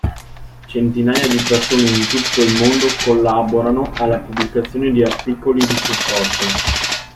Centinaia di persone in tutto il mondo collaborano alla pubblicazione di articoli di supporto.